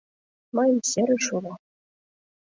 Мыйын серыш уло.